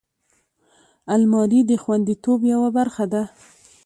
الماري د خوندیتوب یوه برخه ده